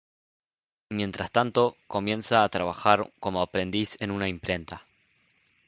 Mientras tanto comienza a trabajar como aprendiz en una imprenta.